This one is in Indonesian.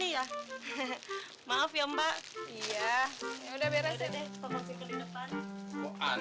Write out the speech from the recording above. udah deh kompon single di depan